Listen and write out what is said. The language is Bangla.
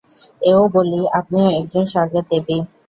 এও বলি, আপনিও একজন স্বর্গের দেবী।